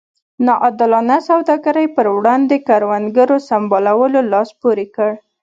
نا عادلانه سوداګرۍ پر وړاندې کروندګرو سمبالولو لاس پورې کړ.